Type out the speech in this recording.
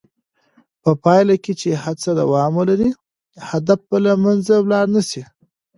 په پایله کې چې هڅه دوام ولري، هدف به له منځه ولاړ نه شي.